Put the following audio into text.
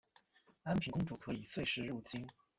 安平公主可以岁时入京。